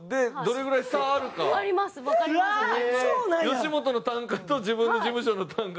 吉本の単価と自分の事務所の単価。